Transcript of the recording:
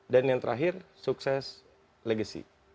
dan yang terakhir sukses legacy